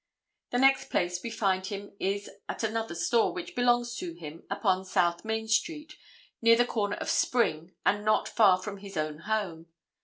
The next place we find him is at another store, which belonged to him, upon South Main street, near the corner of Spring and not far from his own home.